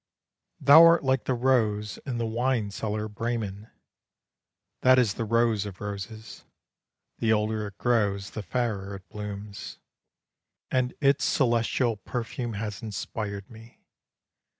Thou art like the rose in the wine cellar of Bremen. That is the rose of roses, The older it grows the fairer it blooms, And its celestial perfume has inspired me.